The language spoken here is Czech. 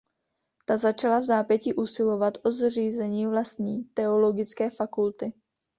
Ta začala vzápětí usilovat o zřízení vlastní teologické fakulty.